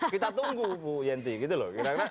kita tunggu bu yenti gitu loh